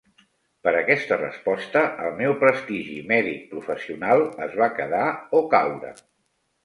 Per aquesta resposta, el meu prestigi mèdic professional es va quedar o caure.